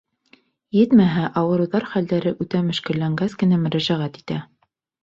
Етмәһә, ауырыуҙар хәлдәре үтә мөшкөлләнгәс кенә мөрәжәғәт итә.